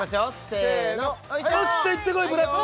せーのよっしゃいってこいブラッチ！